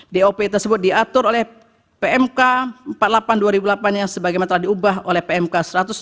dop tersebut diatur oleh pmk empat ratus delapan puluh dua ribu delapan yang sebagai metode diubah oleh pmk satu enam dua delapan